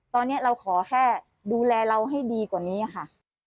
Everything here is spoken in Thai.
ตอนนี้เราขอแค่ดูแลเราให้ดีกว่านี้ค่ะ